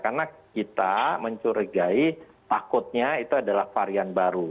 karena kita mencurigai takutnya itu adalah varian baru